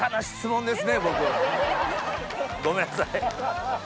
ごめんなさい。